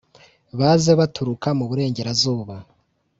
baze baturuka mu burengerazuba.